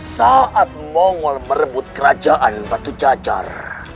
saat mongol merebut kerajaan batu cacar